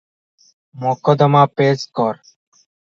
ମକଦ୍ଦମା ପେଶ୍ କର ।